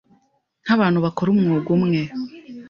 nk’abantu bakora umwuga umwe